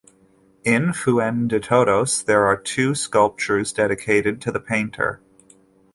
In Fuendetodos there are two sculptures dedicated to the painter.